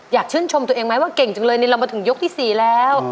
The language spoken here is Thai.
อยากชื่นชมตัวเองไหมว่าเก่งจังเลยนี่เรามาถึงยกที่๔แล้ว